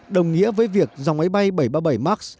đồng nghĩa với việc dòng máy bay bảy trăm ba mươi bảy max